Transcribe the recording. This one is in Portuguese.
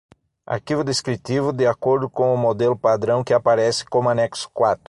Arquivo descritivo, de acordo com o modelo padrão que aparece como anexo quatro.